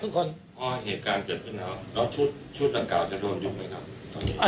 ทุกคนอ๋อเหตุการณ์เกิดขึ้นแล้วแล้วชุดชุดหลักหลักว่า